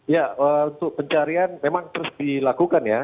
ya untuk pencarian memang terus dilakukan ya